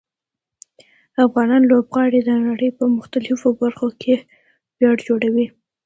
افغان لوبغاړي د نړۍ په مختلفو برخو کې ویاړ جوړوي.